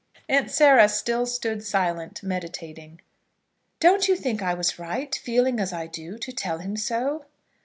Aunt Sarah still stood silent, meditating. "Don't you think I was right, feeling as I do, to tell him so?